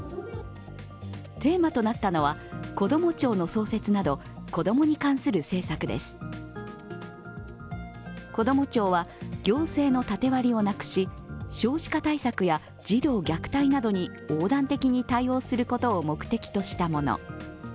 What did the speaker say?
テーマとなったのは、こども庁の創設などこども庁は、行政の縦割りをなくし少子化対策や児童虐待などに横断的に対応することを目的としたもの。